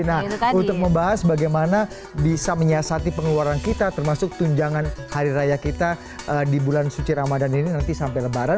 nah untuk membahas bagaimana bisa menyiasati pengeluaran kita termasuk tunjangan hari raya kita di bulan suci ramadhan ini nanti sampai lebaran